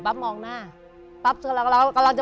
ปั๊บมองหน้าปั๊บกำลังจะ